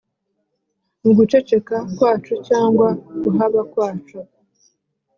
mu guceceka kwacu cyangwa kuhaba kwacu